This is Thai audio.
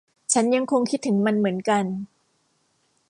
ฉันยังคงคิดถึงมันเหมือนกัน